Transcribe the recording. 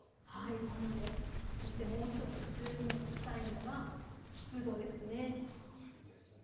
もう１つ注目したいのが湿度です。